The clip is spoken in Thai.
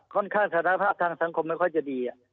ค่อนข้างฐานะภาพทางสังคมไม่ค่อยจะดี